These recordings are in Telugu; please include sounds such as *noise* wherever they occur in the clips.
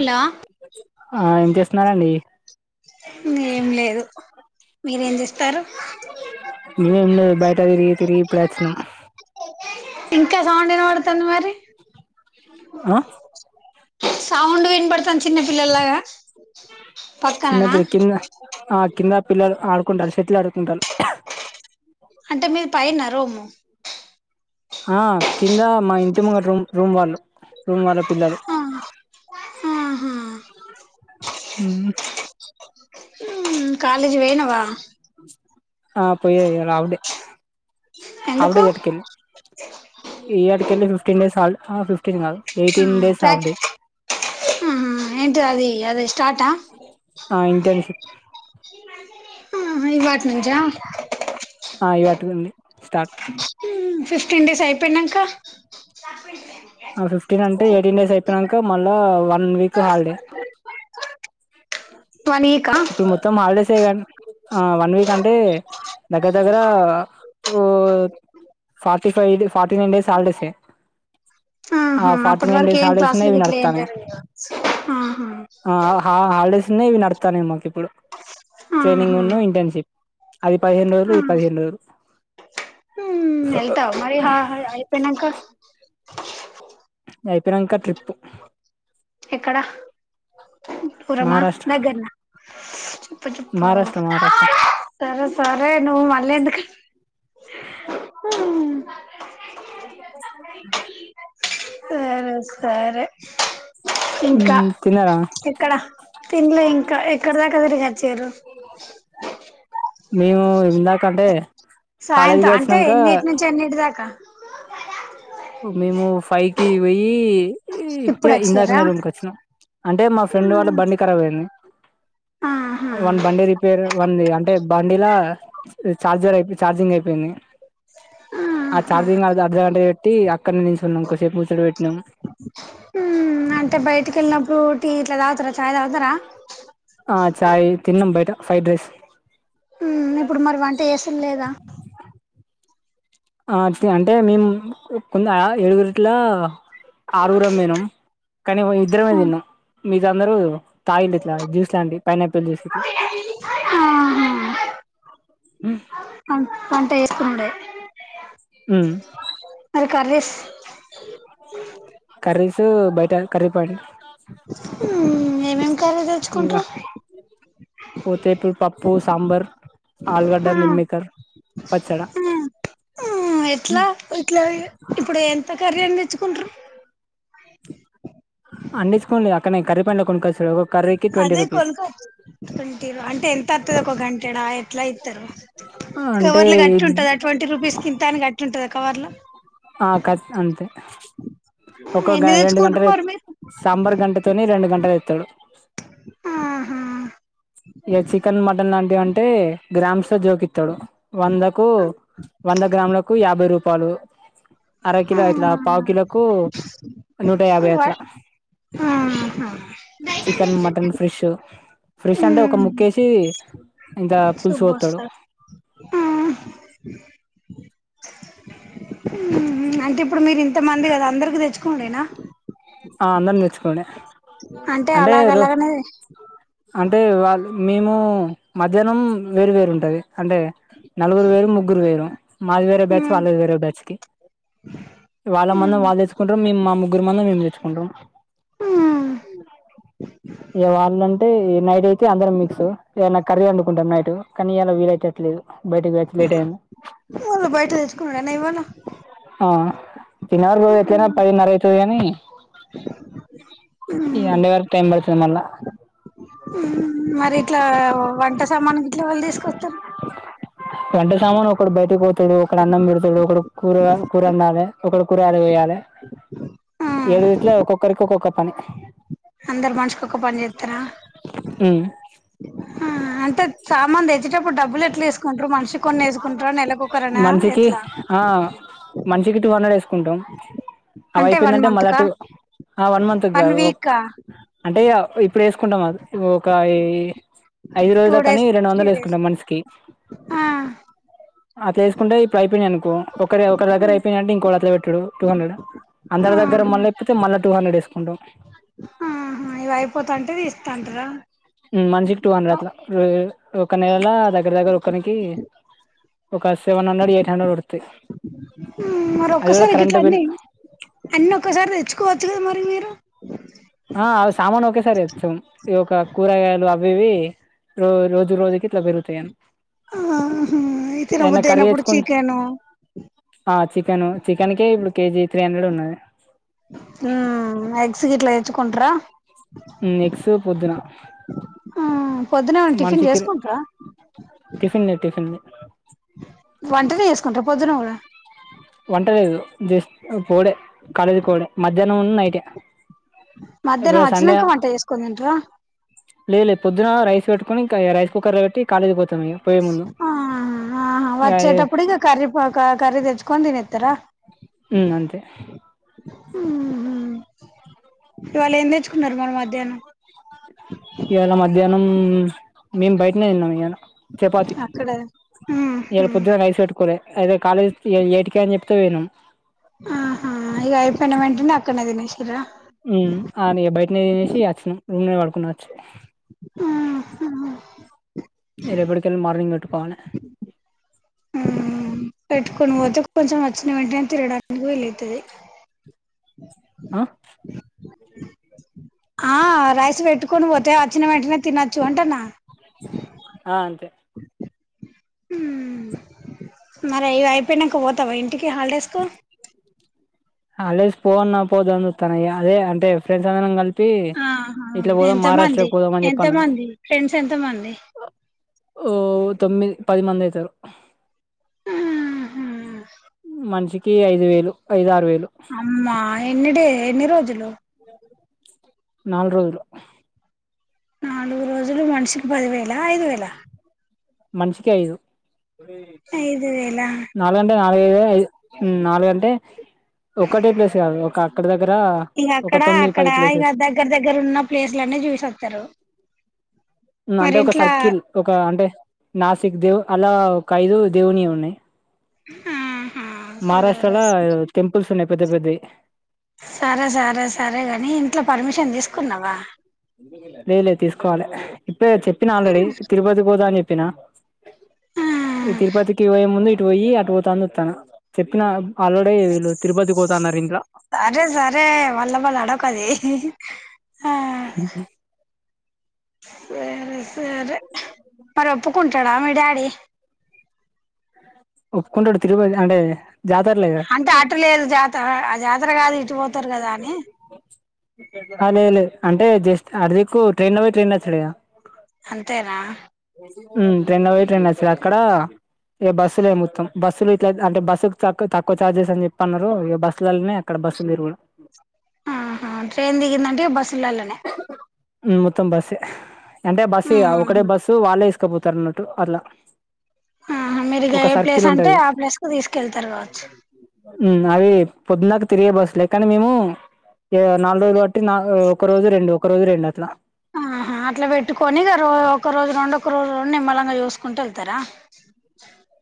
హలో ఆ ఏం చేస్తున్నారండి ఏం లేదు మీరేం చేస్ ఏం లేదు బయట తిరిగి తిరిగి ఇప్పుడే వచ్చినాం ఇంకా సౌండ్ ఇనబడుతాంది మరి ఆ సౌండ్ విన్బడతాంది చిన్నపిల్లల్లాగా చిన్నపిల్ల కింద ఆ కింద పిల్లలు ఆడుకుంటాళ్లు షటిల్ ఆడుకుంటాళ్లు అంటే మీది పైన్నా రూము హా కింద మా ఇంటి ముంగట రూమ్ రూమ్వాళ్ళు రూమ్ వాళ్ళ పిల్లలు అహ్ ఆహా ఊహ్ హుమ్మ్ కాలెజ్ పోయినవా ఆ పోయ్య ఇయ్యాల ఆఫ్డే హాఫ్డే ఎందుకు ఇయ్యాట్కెల్లి ఇయ్యాటికెళ్ళి ఫిఫ్టీన్ డేస్ హాల్డె హా ఫిఫ్టీన్ గాదు ఎయిటీన్ డేస్ ఆఫ్డే ఉహూ ఏంటిదది అది స్టార్టా ఆ ఇంటర్న్షిప్ హా హ ఇవ్వాట్నుంచా ఆ ఇవాటి నుండి మ్హూ ఫిఫ్టీన్ డేస్ అయిపోయినంక ఆ ఫిఫ్టీనంటె ఎయిటీన్ డేస్ అయిపోనంక మళ్ళా వన్ వీక్ హాల్డే వన్ వీకా త్తం హాల్డేసే గని ఆ వన్ వీకంటే దగ్గర దగ్గరా ఓ ఫార్టీ ఫై నుండి ఫార్టీ నైన్డేస్ హాల్డేసే ఆహా అప్పటి డేస్ వరకేం హాలిడేస్నే క్లాసులు ఇవి గిట్లేం జరుగుదా ఆహా అ ఆ హా హాలిడేస్లనే ఇవి నడ్త్తానై మాకిప్పుడు ట్రైనింగున్ను ఆహా ఇంటర్న్షిప్ అది పదిహేన్ రజులు ఇదిహేను రోజలు హుమ్మ్ ఎళ్తవ మరి హ పోయినంక ఇదయిపోయినంక ట్రిప్పు ఎక్కడ దూరమా మహారాష్ట్ర దగ్గర్న ఇప్పుడు చప్పా మహారాష్ట్ర మహారాష్ట్ర సరె సరే నువ్వు మళ్ళీ ఎందుకొ హ్ ఊ సరె సరె ఇంక మ్ తిన్నారా ఎక్కడ తిన్లే ఇంక ఎక్కడదాకా తిరిగొచ్చిరు మేమూ ఇందాకంటే కాలేజ్ పోయోచ్చినంక ఎన్నింటి దాకా మేమూ ఫైకి పొయ్యి ఇప్పుడు ఇప్పుడే వచ్చిర్రా ఇందాకనే రూమ్కొచ్చినం అంటే మా ఫ్రెండ్ వాళ్ళ బండి ఖరాబయింది ఆహా వాన్ బండి రిపేర్ వన్ది టే బండిలా చార్జరయిపె చఛార్జింగ్ అయిపోయింది ఆ ఆహా ఛార్జింగ్ అర్ధగంట బెట్టీ ఇగ అక్కడ్నే నిలుచున్నం కొసేపు ముచ్చట పెట్టినం ఊ అంటే బయటికెళ్ళినప్పుడూ టీ ఇట్ల తాగుతారా చాయ్ తాగుతరా ఆ చాయ్ తిన్నం బయట ఫ్రైడ్ రైస్ హుమ్మ్ ఇప్పుడు మరి వంట చేసుల్లేదా ఆ అంటే మేం కొంద ఏడుగురిట్లా ఆరుగురం బోయినం కనీ ఓ ఇద్దరమే దిన్నం మిగతా అందరూ తాగిల్లిట్లా జ్యూస్ లాంటివి పైనాపిల్ జ్యూసిట్ల ఉహ్ అవును వంట ఏసుకునుడే ఉమ్ అది కర్రీస్ కర్రీసు బయట కర్రీ పెయింట్ ఉమ్ మీ ఇంకరైతే ఇగ పోతేపుల్ పప్పు సాంబార్ ఆలుగడ్డ మిల్మేకర్ పచ్చడ ఎట్ల ఇట్ల ఇగ ఇప్పుడు ఎంత కర్రీ అని తెచ్చుకుంట్రరు అన్నిసుకడి అక్కడ కర్ర పెయింట్ల కొనుకోచుడు అదే కొనుకో కొంటరు అంటే ఎంత అతుద ఒక గంటెడా ఎట్ల ఇత్తరు అంటే కవర్లు గట్టి ఉంటదా ట్వంటీ రూపీస్ కింతానికి గట్టి ఉంటందా కవర్ల ఆ కస్ అంతే ఒకో గ ఎన్ని రెండు తెచ్చుకుంటారు గంటలు మరి మీరు సామ్బర్ గంటతోని రెండు గంటలేత్తడు ఆహ ఇగ చికెన్ మటన్ లాంటివంటే గ్రామ్స్లో జోకిత్తడు వందకు వంద గ్రాములకు యాభై రూపాలు అరకిలో అట్ల పావు కిలకు నూటయాభై అట్ల ఆహా చికెన్ మటన్ ఫ్రిష్ ఫ్రిష్ అంటే ఒక ముక్కేషి షేబ్బాషార ఉమ్ ఉమ్ అంటే ఇప్పుడు మీరీంతమంది గదా అందరికిీ తెచ్చుకొనుడేనా ఆ అందరిని దేచ్చుకోవుడే అంటే అలాగ రొ అలాగనే అంటే వాళ్ళు మేము మధ్యాహ్నం వేరు వేరు ఉంటది అంటే నలుగురు వేరు ముగ్గురు వేరు మాది వేరే బాచ్ ఉమ్ ఆళ్ళది వేరే బాచ్కి వాళ్ళ మన్నా వాళ్ళు తెచ్చుకుంటారుం మేము మా ముగ్గురు మందం మేము తేర్చ్చుకొంటాం ఉమ్ ఉమ్ ఇగ వాళ్ళంటే నైటయి కి అందరం మిక్స్ ఏ అన్న కర్రీ అండుకుంటా నైటు కానీ ఇలా వీలయట్లేదు బయట వాళ్ళు బయట తెచ్చుకునుడేన ఇవాళ ఆ తినవర్ ఎత్తయినా పదీన్నర్ర అయితది గనీ ఈ అండే వరకు టైమ్ బడుతదిమల్ళ ఉమ్ మరిట్లా వంట సామాను గిట్ల ఎవల్ దీసుకొస్తరు వంట సామాన్ ఒకడు బయటకి పోతాడు ఒకడు అన్నం పెడతాడు ఒకడు కూర కూరండాలి ఒకడు కూరలు కోయాలి బ్లాంక్ ఏడు గిట్లో ఒక్కొక్కరికి ఒక్కొక్క పని అందరు మనిషికొక్క పని జేత్తరా ఉమ్ ఉమ్ అంత సామాన్ తెచ్ ఇచ్చేటప్పుడుడబ్బులేట్లేసుకుంటరు మనిషి కొన్ని యేసుకుంటర నెలకొక్కరనా మనిషికి ఎట్ల ఆ మనిషికి టూ హండ్రెడ్ యేసుకుంటం అంటే వన్ అవయిపోయిందంటే మంత్ మళ్ళా కా టు ఆ వన్ మంత్ కాదు వీక్ కా అంటే ఇగ ఇప్పుడు వేసుకుంటాం ఒక ఐదు టూ రోజుల కాని డేస్ రెండు త్రీ వందలు డేస్ వేసుకుంటాం మనిష ఆ అ తేసుకుంటే ఇప్పుడు అయిపోయినయనుకో ఒ అక్కడే ఒకరి దగ్గరయిపోయినంటె ఇంకో అట్లే పెట్టుడు టూ హండ్రెడ్ అందరి దగ్గర ఆహా మళ్ళ ఎక్కితే మళ్ళ టూ హండ్రడ్ వేసుకుంటాం ఉహు ఇవి అయిపోతంటే ఇస్తాంటార మనిషికి టూ హండ్రెడ్ అట్లా ఒక నెలల దగ్గర దగ్గర ఒకనికి ఒక సెవెన్ హండ్రెడ్ ఎయిట్ హండ్రెడ్ పడుతది అది కూడా కరెంటు బిల్ అన్నోక్కసారి దెచ్చుకోవచ్చు గద మరి మీరు ఆ సామాను ఒకేసారి తెస్తాం ఈ ఒక కూరగాయలు అవి ఇవి రో రోజు రోజుకీ ఇట్లా పెరుగుతాయి ఆ హా తినబుద్ధి అయినప్పుడు తెచ్చుకుంటే చీకెను ఆ చికెన్ చికెన్ కే ఇప్పుడు కేజీ త్రీ హండ్రెడ్ ఉన్నది ఆ ఆ ఎగ్స్ గిట్ల తెచ్చుకుంటార ఉం ఎక్స్ పొద్దున ఆ పొద్దునెమన టిఫిన్ మనిషికి జేసుకుంటరా టిఫిన్ లేదు టిఫిన్ వంటనే జేసుకుంటర పొద్దున గూడా వంటలేదు జస్ట్ పోవుడే కాలేజీకి పోవుడే మధ్యాహ్నం ఉను నైటే మధ్యాహ్నం ఇప్పుడు వచ్చనాంక వంట చేసుకొని తింటారా లేద్ లే పొద్దున రైస్ వెట్టుకోనింకా రైస్ కుక్కర్ల వెట్టి కాలేజీ కి పోతాం ఇగ ఆహ ఆహ ఏ వచ్చేటప్పుడుగా కర్రి పక కర్రీ దేచ్చుకోనీ దినేత్తరా ఉ అంతే ఊహు ఇవాళ ఏం దెచ్చుకున్నరు మరి మధ్యాహ్నం ఇయాళ మధ్యాహ్నం మేము బయటనే తిన్నాం ఈయాళ చపాతి అక్కడ మ్మ్ ఈయల హ్మ్ పొద్దు రైస్ పేట్టుకోలే అయితే కాలేజ్ కి ఏటికే అని చెప్తే పోయినం ఆహా ఈగ అయిపోయిన వెంటనే అక్కడనే తినేసిల్లా ఉమ్ ఆడ్నే బయటనే తినేసి ఆచ్చినం రూమ్నే పడుకున్నాం వచ్చి ఉమ్ రేపటికెళ్లి మార్నింగే బేట్టుకోవాలి హ్మ్మ్ మ్ పెట్టుకొని పోతే కొంచెం వచ్చిన వెంటనే తినడానికి వీలైతదీ ఆ ఆ రైస్ వెట్టుకొని వోతే అచ్చిన వెంటనే తినొచ్చు అంటనా *unintelligible* ఆ అంతే హ్మ్మ్ మరి ఇది అయిపోయినంక పోతవ ఇంటికి హాలిడేస్ కు హలిడేస్ పోవల్న్నా పోవద్ద అనీ జూత్తన్న ఇగ అదే అంటే ఫ్రెండ్స్ అందరం కలిసి చెప్పి ఆహా ఇట్లా పోదాం ఎంత మంది మహారాష్ట్రకి పోదాం అని ఎంత చెప్పన్నారు మంది ఫ్రెండ్స్ ఎంత మంది ఓ తొమ్మిది పదిమందయితరు ఉహు మనిషికి ఐదు వేలు ఐదారు వేలు అమ్మా ఎన్నిడే ఎన్ని రోజులు నాలుగు రోజలు నాలుగు రోజులు మనిషికి పదివేలా ఐదువేలా మనిషికి ఐదు ఐదు వేలా నాలుగంటే నాలుగైదు నాలుగుగంటే ఒకటే ప్లేస్ కాదు ఒక అక్కడ దగ్గర అ ఇగ అక్కడ అక్కడ ఇగ దగ్గర దగ్గర ఉన్న ప్లేసులన్నీ చూసీ వస్తారు ఉమ్ అంటే ఒక సర్కిల్ ఒక అంటే నాసిక్ దేవ్ అలా ఒక ఐదు దేవుని ఉన్నయ్ ఆహా సరే మహారాష్ట్రలా టెంపుల్స్ ఉన్నయ్ పెద్ద పెద్దయి సరే సరే సరే గాని ఇంట్లో పర్మిషన్ దీసుకున్నావా లే లే తీసుకోవాలే ఇప్పుడే చెప్పినా ఆల్రెడీ తిరుపతికి పోతా అని చెప్పినా ఆ ఈ తిరుపతికి పోయే ముందు ఇటు పోయి అటు పోతా అని చూత్తనా చెప్పిన ఆల్రేడీ వీళ్ళు తిరుపతి పోత అన్నారు ఇంట్ల సరే సరే మళ్ళ మళ్ళ అనకది ఉహ్ మ్ సరే సరే మరి ఒప్పుకుంటాడా మీ డాడీ ఒప్పుకుంటడు తిరుపతి అంటే జాతరలే గదా అంటే అటులేదు జాతర ఆ జాతర కాదు ఇటు పోతరు గదా అని అ లేదు లేదు అంటే జస్ట్ అటు దిక్కు ట్రైన్ల బోయి ట్రైన్ల వచ్చుడు గదా అంతేనా ఉమ్ ట్రైన్ ల బోయి ట్రైన్ ల వచ్చుడే అక్కడ ఏ బస్సులే మొత్తం బస్సులు ఇట్లై అంటే బస్సుకు తక్ తక్కువ చార్జెస్ అని జెప్పి అన్నరు ఇగ బస్సులల్లనే అక్కడ బస్సు మీరు గూడ ఆహా ట్రైన్ దిగిందంటే బస్సులల్లనే ఉమ్ మొత్తం బస్సే అంటే బస్ ఇగ ఒకటే ఉహు బస్సు వాళ్ళే తీసుకపోతరన్నట్టు అట్లా ఆహా మీరిగ ఒక ఏ ప్లేస్ సర్కిల్ అంటే ఉంటది ఆ ప్లేస్ కు దీసుకెళ్తరు గావొచ్చు ఉమ్ అవి పొద్దుదాంక తిరిగే బస్సు లే కానీ మేము ఇగ నాలుగు రోజులు పట్టినా ఒక రోజు రెండు ఒక రోజు రెండు అట్లా ఆహా అట్లా పెట్టుకొని ఇగ రో ఒక రోజు రెండు ఒక రోజు రెండు నిమ్మళంగా జేసుకుంటా యెళ్తరా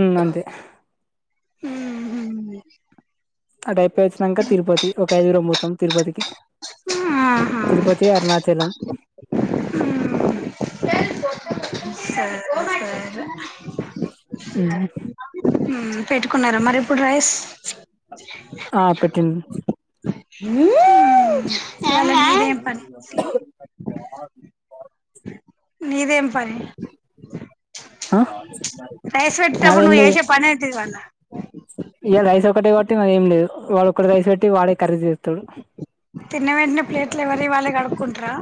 ఉమ్ అంతే ఉమ్ హు అటు అయి పోయివచ్చినంక తిరుపతి ఒక ఐదుగురం బోతాం తిరుపతికి ఆహా తిరుపతి అరుణాచలం సరే సరే ఉమ్ హు ఉమ్ పెట్టుకున్నారా మరి ఇప్పుడు రైస్ ఆ పెట్టింది ఉమ్ *unintelligible* నీదేం పని నీదేం పని ఆ రైస్ పెట్టెటప్పుడు నువ్ చేసే పనేంటిది మళ్ళ ఇగ రైస్ ఒక్కటే పట్టిన ఏంలేదు వాడు ఒకడు రైస్ పెట్టి వాడే కర్రీ జేస్తడు తిన్న వెంటనే ప్లేట్లు ఎవరీ వాళ్ళయై కడుకుంటారా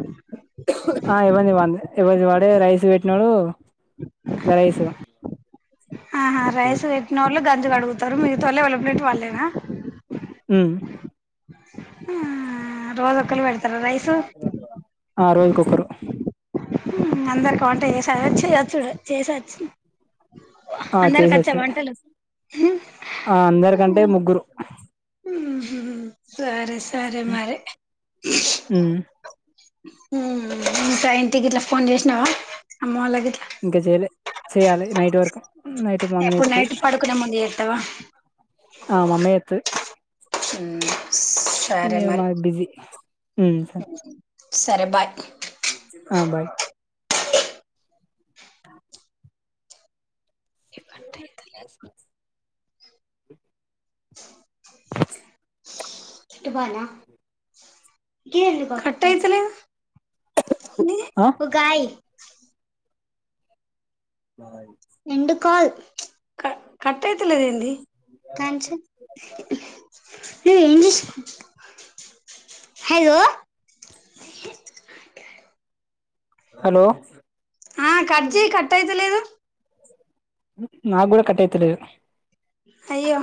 ఆ ఎవన్ది వాన్దే ఎవన్ది వాడే రైస్ పెట్టినోడు రైస్ ఇగా ఆహా రైస్ పెట్టినోళ్ళు గంజు గడుగుతరు మిగతొల్లు యేవళ్ళ ప్లేట్ వాళ్ళేనా ఉమ్ ఆ రోజొక్కల్లు గడు ఆ రోజుకొక్కరు ఉమ్ అందరికి వంట చేసారా చేయొచ్చుడే చేసే వచ్చిన ఆ అందరికి వచ్చా చేసొచ్చుడే వంటలు ఉమ్ గురు ఉమ్ హు సరే సరే మరి ఉమ్ ఉమ్ సరే ఇంటి గిట్లా ఫోన్ జేసిన అమ్మోల్లకు గి ఇంకా చెయ్యలే చేయ్యాలి నైట్ వరకు నై ఎప్పుడు నైట్ పడుకునే ముందు చేత్తావా ఆ మా అమ్మ చేత్తది ఉమ్మ్ ఏమా బిజీ ఉమ్ సరే సరే బాయ్ ఆ బాయ్ స్ కట్ *inaudible* కట్ అయితలేదు నీ ఆ *unintelligible* క కట్ అయితాలేదు ఎంది ఎ ఏం చేస్తున్నావ్ హలో హలో ఆ కట్ జేయ్ కట్ అయితలేదు నా గూడ కట్ అయితలేదు అయ్యో